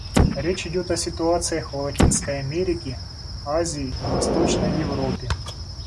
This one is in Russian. Речь идет о ситуациях в Латинской Америке, Азии и Восточной Европе.